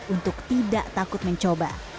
untuk tidak takut mencoba